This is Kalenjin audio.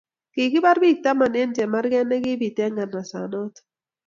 kikipar pik taman en chemarket nekipit en nganaset noton